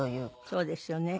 そうですよね。